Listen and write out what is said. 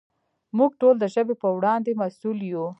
موږ ټول د ژبې په وړاندې مسؤل یو.